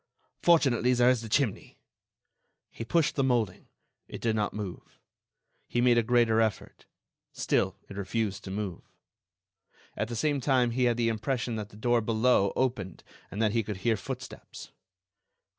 Fortunately, there is the chimney." He pushed the moulding; it did not move. He made a greater effort—still it refused to move. At the same time he had the impression that the door below opened and that he could hear footsteps.